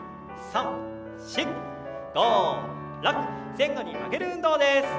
前後に曲げる運動です。